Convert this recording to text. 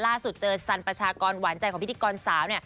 ล่าสุดเจอสันประชากรหวานใจของพิธีกรสาว